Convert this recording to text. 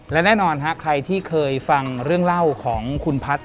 และแน่นอนฮะใครที่เคยฟังเรื่องเล่าของคุณพัฒน์